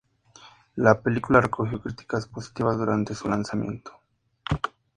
La película recogió críticas positivas durante su lanzamiento.